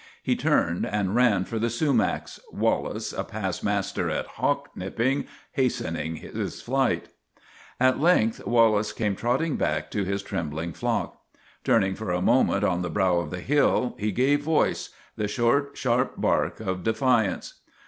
He turned and ran for the sumacs, Wallace, a past master at hock nipping, hastening his flight. At length Wallace came trotting back to his trem bling flock. Turning for a moment on the brow of the hill he gave voice the short, sharp bark of de fiance.